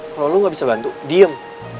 kalau lo gak bisa bantu diem